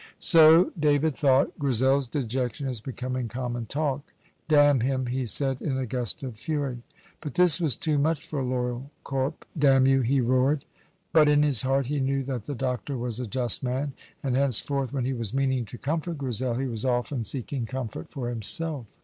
"So," David thought, "Grizel's dejection is becoming common talk." "Damn him!" he said, in a gust of fury. But this was too much for loyal Corp. "Damn you!" he roared. But in his heart he knew that the doctor was a just man, and henceforth, when he was meaning to comfort Grizel, he was often seeking comfort for himself.